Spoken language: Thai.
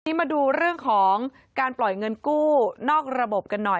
ทีนี้มาดูเรื่องของการปล่อยเงินกู้นอกระบบกันหน่อย